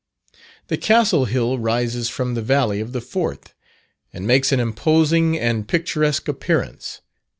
The Castle Hill rises from the valley of the Forth, and makes an imposing and picturesque appearance.